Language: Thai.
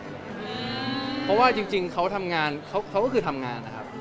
เพราะว่าจริงเขาทำงานเขาก็คือทำงานนะครับ